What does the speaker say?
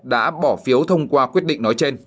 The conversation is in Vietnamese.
đã bỏ phiếu thông qua quyết định nói trên